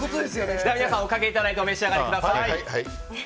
皆さん、おかけいただいてお召し上がりください。